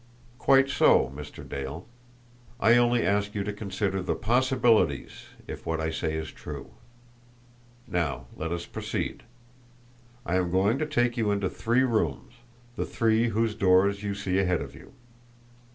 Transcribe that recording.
Quite so, Mr. Dale. I only ask you to consider the POSSIBILITIES if what I say is true. Now let us proceed. I am going to take you into three rooms the three whose doors you see ahead of you.